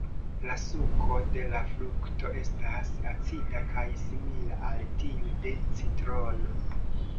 La suko de la frukto estas acida kaj simila al tiu de citrono.